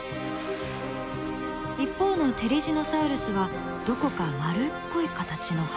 一方のテリジノサウルスはどこか丸っこい形の歯。